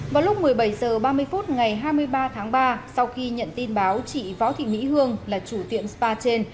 vào lúc một mươi bảy h ba mươi phút ngày hai mươi ba tháng ba sau khi nhận tin báo chị võ thị mỹ hương là chủ tiệm spa trên